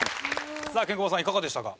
さあケンコバさんいかがでしたか？